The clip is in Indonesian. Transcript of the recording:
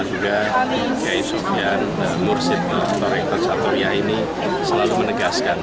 juga k i sofian mursid torikoh satanariah ini selalu menegaskan